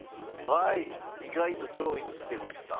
はい意外と上位にきてました。